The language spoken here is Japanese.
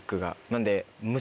なんで。